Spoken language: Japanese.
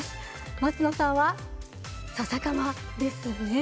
松野さんは笹かまですね。